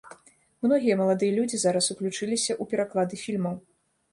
Многія маладыя людзі зараз уключыліся ў пераклады фільмаў.